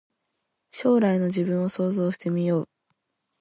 将来の自分を想像してみよう